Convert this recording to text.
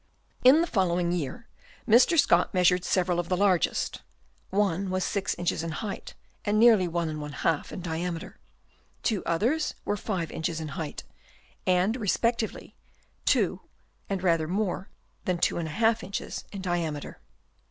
127 In the following year, Mr. Scott measured several of the largest ; one was 6 inches in height and nearly 1^ in diameter : two others were 5 inches in height and respectively 2 and rather more than 2<| inches in diameter.